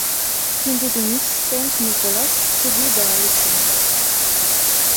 কিন্তু তিনি Saint Nicholas খুবই দয়ালু ছিলেন।